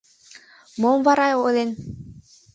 — Мом вара ойлен?